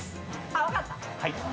分かった。